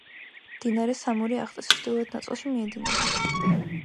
მდინარე სამური ახტის ჩრდილოეთ ნაწილში მიედინება.